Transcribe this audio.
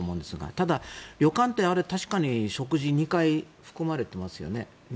ただ、旅館って確かに食事、２回含まれてますよね。